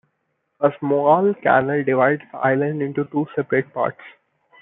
A small canal divides the island into two separate parts.